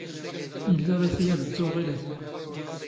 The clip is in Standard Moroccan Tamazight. ⵉⵍⵍⴰ ⵖⵉⴼⵉ ⴰⴷ ⴷⴷⵓⵖ ⵖⵉⵍⴰⴷ.